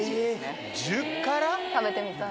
食べてみたい。